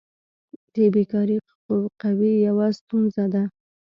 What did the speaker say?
د بیکاري قوي یوه ستونزه ده.